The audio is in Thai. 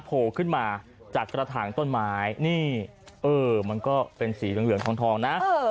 โผล่ขึ้นมาจากกระถางต้นไม้นี่เออมันก็เป็นสีเหลืองทองนะ